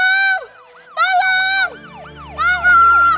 pak pak utari